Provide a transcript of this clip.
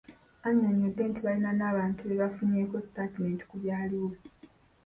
Annyonnyodde nti balina n'abantu be bafunyeeko sitatimenti ku byaliwo.